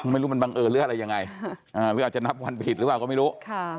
ไม่รู้มันบังเอิญหรืออะไรยังไงหรืออาจจะนับวันผิดหรือเปล่าก็ไม่รู้